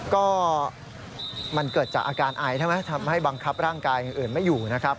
ก็มันเกิดจากอาการไอใช่ไหมทำให้บังคับร่างกายอย่างอื่นไม่อยู่นะครับ